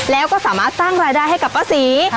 แล้วก็สามารถสร้างรายได้ให้กับป้าศรี